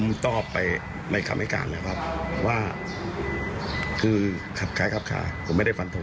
ผมตอบไปในคำให้การแล้วครับว่าคือขับคล้ายครับขายผมไม่ได้ฟันทง